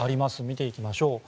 見ていきましょう。